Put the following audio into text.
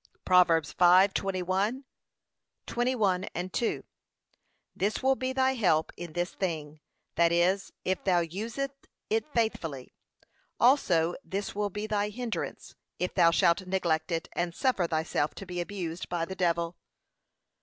(Prov. 5:21; 21:2) This will be thy help in this thing, that is, if thou usest it faithfully; also this will be thy hindrance, if thou shalt neglect it, and suffer thyself to be abused by the devil.